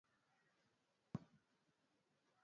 wageni tofauti wanatoa maoni yao katika mada mbalimbali